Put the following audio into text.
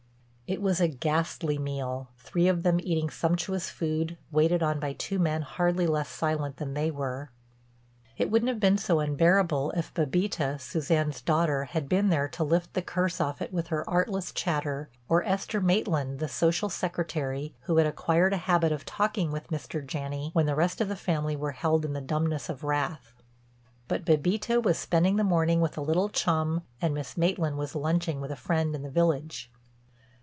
It was a ghastly meal—three of them eating sumptuous food, waited on by two men hardly less silent than they were. It wouldn't have been so unbearable if Bébita, Suzanne's daughter, had been there to lift the curse off it with her artless chatter, or Esther Maitland, the social secretary, who had acquired a habit of talking with Mr. Janney when the rest of the family were held in the dumbness of wrath. But Bébita was spending the morning with a little chum and Miss Maitland was lunching with a friend in the village.